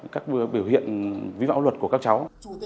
các biểu hiện vi phạm luật của các cháu